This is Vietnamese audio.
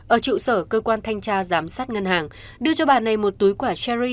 ở trụ sở cơ quan thanh tra giám sát ngân hàng đưa cho bà này một túi quả cherry